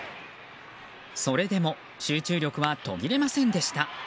それでも集中力は途切れませんでした。